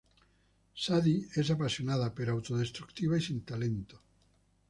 Sadie es apasionada pero autodestructiva y sin talento.